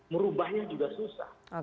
merubahnya juga susah